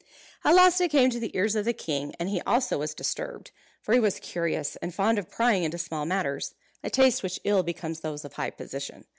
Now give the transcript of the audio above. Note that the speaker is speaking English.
At last it came to the ears of the king, and he also was disturbed. For he was curious, and fond of prying into small matters; a taste which ill becomes those of high position.